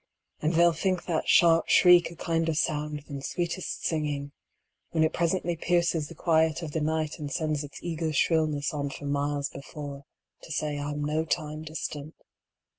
And they'll think that sharp shriek a kinder sound than sweetest singing, when it presently pierces the quiet of the night and sends its eager shrillness on for miles before to say I'm no time distant.